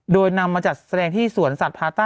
โดยนำมาจัดแสดงที่สวนสัตว์พาต้า